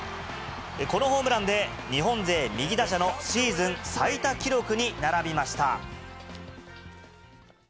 このホームランで、日本勢右打者のシーズン最多記録に並びました。